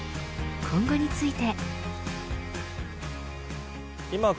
今後について。